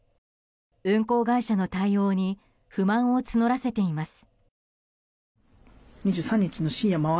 運航会社の対応に不満を募らせています。